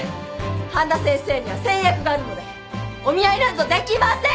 半田先生には先約があるのでお見合いなんぞできません！